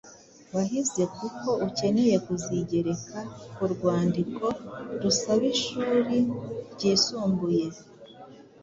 wahize kuko ukeneye kuzigereka ku rwandiko rusaba ishuri ryisumbuye.